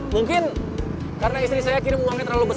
mungkin karena istri saya kirim uangnya terlalu besar